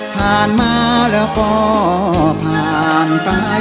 ผ่านมาแล้วก็ผ่านไป